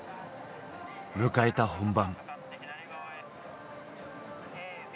迎えた本番。